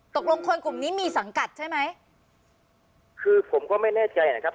ตกลงคนกลุ่มนี้มีสังกัดใช่ไหมคือผมก็ไม่แน่ใจนะครับ